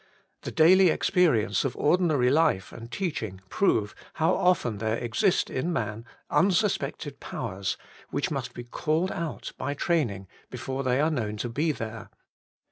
The daily experi ence of ordinary life and teaching prove how often there exist in a man unsuspected powers, which must be called out by train ing before they are known to be there.